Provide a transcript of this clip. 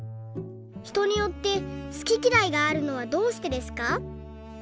ひとによって好ききらいがあるのはどうしてですか？」。